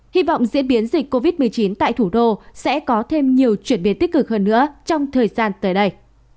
hy vọng diễn biến dịch covid một mươi chín tại thủ đô sẽ có thêm nhiều chuyển biến tích cực hơn nữa trong thời gian tới đây